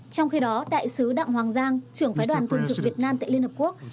trong khi đó đại sứ đặng hoàng giang trưởng phái đoàn thường trực việt nam tại liên hợp quốc